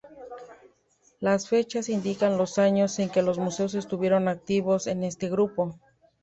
Las fechas indican los años en que los músicos estuvieron activos en este grupo.